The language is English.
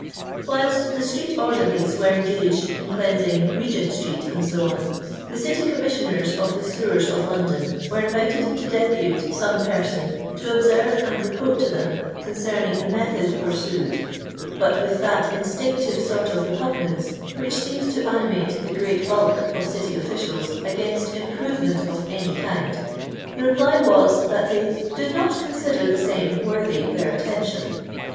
Whilst the street orderlies were engaged in cleans ing Begent street, &c., the City Commissioners of the sewers of London were invited to depute some person to observe and report to them concerning the method pursued ; but with that instinctive sort of repugnance which seems to animate the great bulk of city officials against improvement of any kind, the reply was, that they did not consider the same worthy their attention."